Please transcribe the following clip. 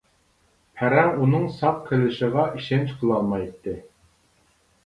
پەرەڭ ئۇنىڭ ساق قېلىشىغا ئىشەنچ قىلالمايتتى.